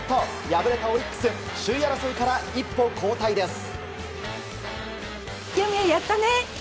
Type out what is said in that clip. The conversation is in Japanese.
敗れたオリックス首位争いから一歩後退です。